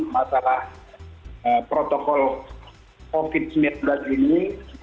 masalah protokol covid sembilan belas ini